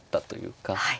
はい。